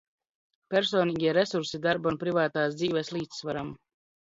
Personīgie resursi darba un privātās dzīves līdzsvaram.